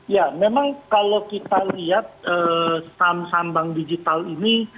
ya memang kalau kita lihat saham saham bank digital ini